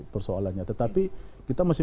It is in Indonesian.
persoalannya tetapi kita masih